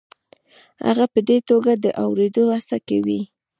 هغه په دې توګه د اورېدو هڅه کوي.